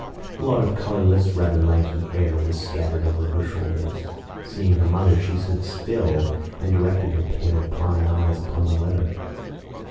A lot of colourless, rather lanky hair was scattered over her shoulders. Seeing her mother, she stood still, and directed her pale prying eyes upon the letter.